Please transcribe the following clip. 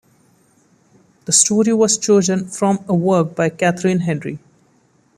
The story was chosen from a work by Catherine Henry.